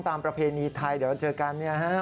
ประเพณีไทยเดี๋ยวเจอกัน